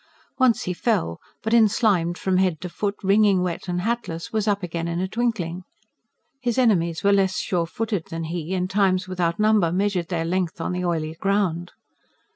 Once he fell, but, enslimed from head to foot, wringing wet and hatless, was up again in a twinkling. His enemies were less sure footed than he, and times without number measured their length on the oily ground.